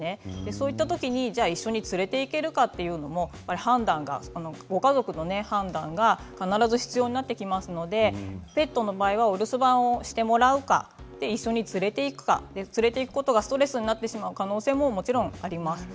そういうときに一緒に連れて行けるかというのもご家族の判断が必ず必要になってきますのでペットの場合は、お留守番してもらうか、一緒に連れていくか連れていくことがストレスになる可能性もあります。